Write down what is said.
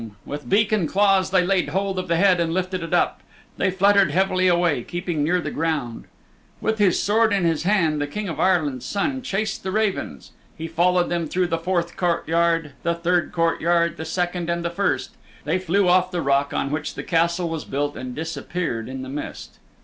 With beak and claws they laid hold of the head and lifted it up. They fluttered heavily away, keeping near the ground. With his sword in his hand the King of Ireland's Son chased the ravens. He followed them through the fourth courtyard, the third courtyard, the second and the first. They flew off the rock on which the Castle was built and disappeared in the mist.